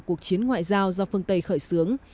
cuộc chiến ngoại giao do phương tây khởi xướng